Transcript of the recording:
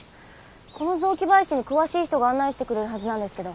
この雑木林に詳しい人が案内してくれるはずなんですけど。